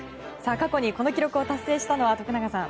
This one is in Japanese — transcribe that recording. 過去にこの記録を達成したのは徳永さん